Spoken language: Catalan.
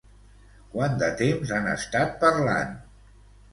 Quant de temps han estat parlant?